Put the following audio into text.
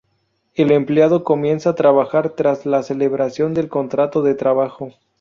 El empleado comienza trabajar tras la celebración del contrato de trabajo.